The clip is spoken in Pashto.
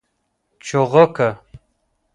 🐦 چوغکه